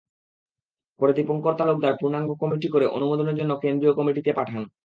পরে দীপংকর তালুকদার পূর্ণাঙ্গ কমিটি করে অনুমোদনের জন্য কেন্দ্রীয় কমিটিতে পাঠান।